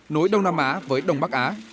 nối đông nam á với đông bắc á